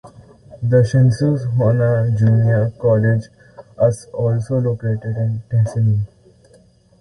The Shinshu Honan Junior College us also located in Tatsuno.